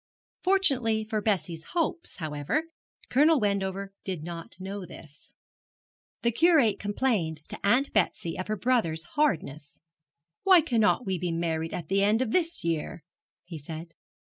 Fortunately for Bessie's hopes, however, Colonel Wendover did not know this. The Curate complained to Aunt Betsy of her brother's hardness. 'Why cannot we be married at the end of this year?' he said.